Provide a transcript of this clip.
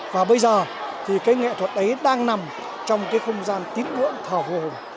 và bây giờ thì cái nghệ thuật ấy đang nằm trong cái không gian tín bưỡng thở hồ hồn